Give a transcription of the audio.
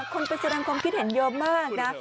คนไปแสดงความคิดเห็นเยอะมากนะ